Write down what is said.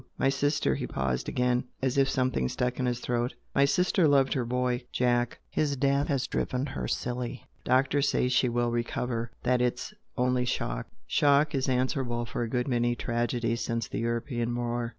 My sister" he paused again, as if something stuck in his throat; "My sister loved her boy, Jack. His death has driven her silly for the time doctors say she will recover that it's only 'shock.' 'Shock' is answerable for a good many tragedies since the European war."